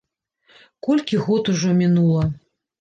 Колькі год ужо мінула.